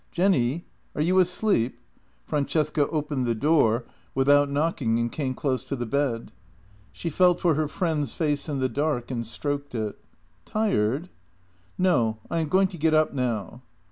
" Jenny, are you asleep? " Francesca opened the door with JENNY 48 out knocking, and came close to the bed. She felt for her friend's face in the dark and stroked it. " Tired? " "No. I am going to get up now."